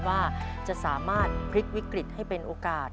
ว่าจะสามารถพลิกวิกฤตให้เป็นโอกาส